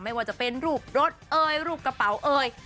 ไม่ว่าจะเป็นรูปรถเอ่ยรูปกระเป๋าเอ่ย